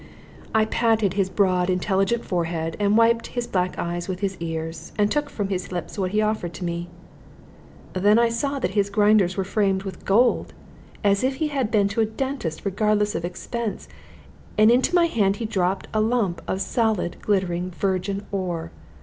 I patted his broad intelligent forehead, and wiped his black eyes with his ears, and took from his lips what he offered to me. Then I saw that his grinders were framed with gold, as if he had been to a dentist regardless of expense, and into my hand he dropped a lump of solid glittering virgin ore.